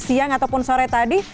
tidak tidak tidak tidak